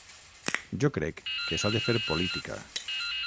Jo crec que s’ha de fer política.